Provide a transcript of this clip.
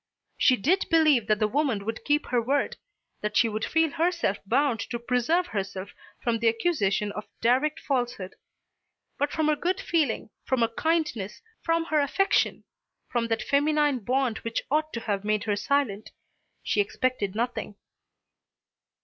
She did believe that the woman would keep her word, that she would feel herself bound to preserve herself from the accusation of direct falsehood; but from her good feeling, from her kindness, from her affection, from that feminine bond which ought to have made her silent, she expected nothing.